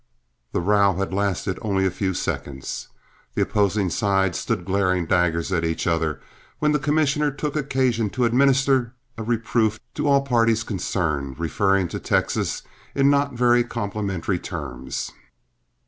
The row had lasted only a few seconds. The opposing sides stood glaring daggers at each other, when the commissioner took occasion to administer a reproof to all parties concerned, referring to Texas in not very complimentary terms.